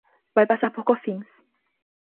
Vai passar por Cofins